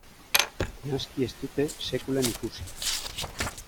Naski ez dute sekulan ikusi.